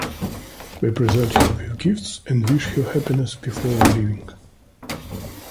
They present her with gifts and wish her happiness before leaving.